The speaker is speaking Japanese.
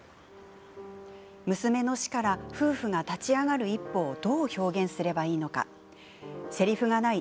娘の死から夫婦が立ち上がる一歩をどう表現すればいいのかせりふがない